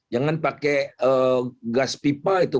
jangan pakai gas pipa itu